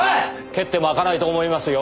蹴っても開かないと思いますよ。